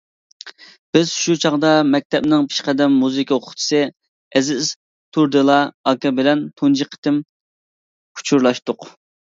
بىز شۇ چاغدا مەكتەپنىڭ پېشقەدەم مۇزىكا ئوقۇتقۇچىسى ئەزىز تۇردىلا ئاكا بىلەن تۇنجى قېتىم ئۇچۇرلاشتۇق.